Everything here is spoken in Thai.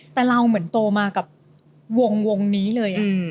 แต่เราเหมือนโตมากับวงนี้เลย